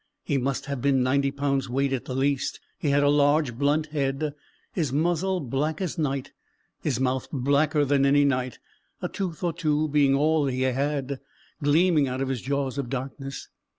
He must have been ninety pounds' weight, at the least; he had a large blunt head; his muzzle black as night, his mouth blacker than any night, a tooth or two being all he had gleaming out of his jaws of darkness.